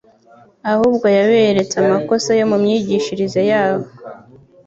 ahubwo yaberetse amakosa yo mu myigishirize yabo.